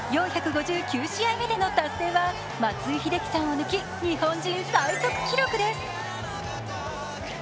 ４５９試合目での達成は松井秀喜さんを抜き、日本人最速記録です。